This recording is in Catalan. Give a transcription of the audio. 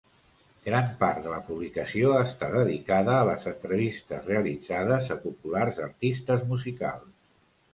Gran part de la publicació està dedicada a les entrevistes realitzades a populars artistes musicals.